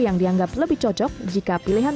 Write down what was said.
yang dianggap lebih cocok jika pilihan